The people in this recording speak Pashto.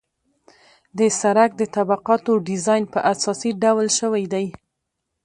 د سرک د طبقاتو ډیزاین په اساسي ډول شوی دی